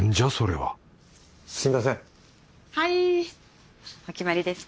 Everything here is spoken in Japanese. はい。